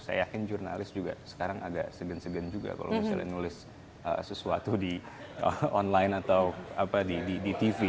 saya yakin jurnalis juga sekarang agak segan segan juga kalau misalnya nulis sesuatu di online atau di tv